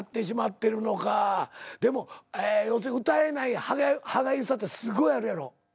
でも歌えない歯がゆさってすごいあるやろ？